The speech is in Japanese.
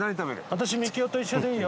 私みきおと一緒でいいよ。